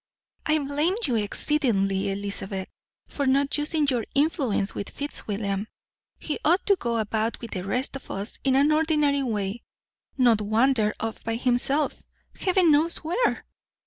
"I blame you exceedingly, Elizabeth, for not using your influence with Fitzwilliam. He ought to go about with the rest of us in an ordinary way, not wander off by himself, heaven knows where.